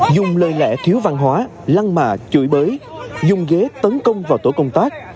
dùng lời lẽ thiếu văn hóa lăng mạ chửi bới dùng ghế tấn công vào tổ công tác